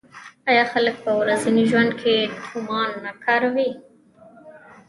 آیا خلک په ورځني ژوند کې تومان نه کاروي؟